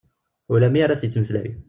Ula mi ara as-ttmeslayeɣ.